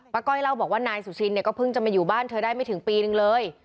ป้าก็ให้เราบอกว่านายสุชินก็เพิ่งไปอยู่บ้านเธอได้ไม่ถึงปีนึงเลย